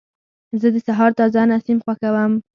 زه د سهار تازه نسیم خوښوم.